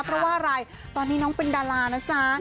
เพราะว่าอะไรตอนนี้น้องเป็นดารานะจ๊ะ